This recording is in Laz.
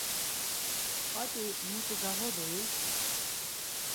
p̌at̆i mutu gağodu-i?